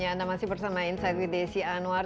ya anda masih bersama insight with desi anwar